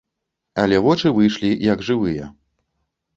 Але вочы выйшлі як жывыя.